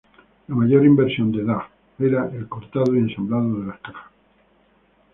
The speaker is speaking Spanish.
La mayor inversión de Dahl era el cortado y ensamblado de las cajas.